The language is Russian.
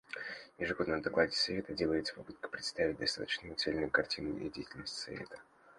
В ежегодном докладе Совета делается попытка представить достаточно цельную картину о деятельности Совета.